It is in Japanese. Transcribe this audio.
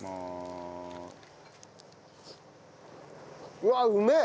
うわっうめえ！